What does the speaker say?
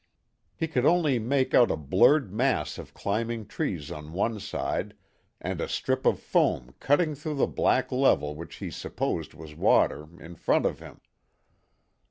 He could only make out a blurred mass of climbing trees on one side, and a strip of foam cutting through the black level which he supposed was water, in front of him.